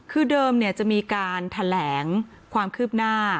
คือเดิมจะมีการแถลงความคืบหน้า